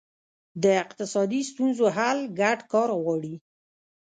د اقتصادي ستونزو حل ګډ کار غواړي.